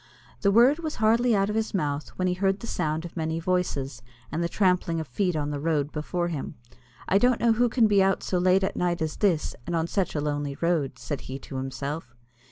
The word was hardly out of his mouth, when he heard the sound of many voices, and the trampling of feet on the road before him. "I don't know who can be out so late at night as this, and on such a lonely road," said he to himself.